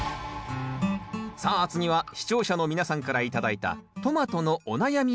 さあ次は視聴者の皆さんから頂いたトマトのお悩みを解決。